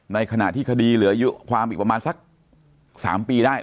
ในขณะที่คดีเหลืออายุความอีกประมาณสัก๓ปีได้